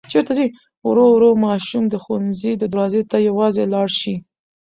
ورو ورو ماشوم د ښوونځي دروازې ته یوازې لاړ شي.